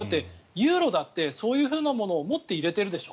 だって、ユーロだってそういうものをもって入れているでしょ。